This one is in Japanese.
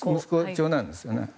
長男ですよね。